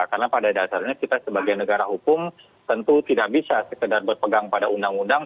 karena pada dasarnya kita sebagai negara hukum tentu tidak bisa sekedar berpegang pada undang undang